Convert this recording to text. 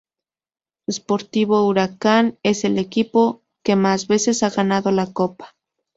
Sportivo Huracán es el equipo que más veces ha ganado la Copa.